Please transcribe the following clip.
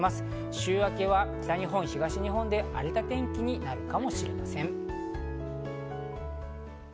週明けは北日本、東日本で荒れた天気になるかもしれません。